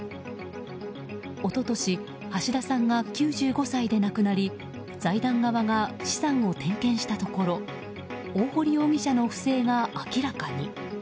一昨年、橋田さんが９５歳で亡くなり財団側が資産を点検したところ大堀容疑者の不正が明らかに。